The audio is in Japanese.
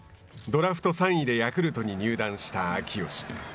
ドラフト３位でヤクルトに入団した秋吉。